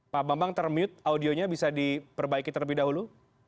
pak bambang termute audionya bisa diperbaiki terlebih dahulu